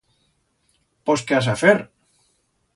Pos qué has a fer?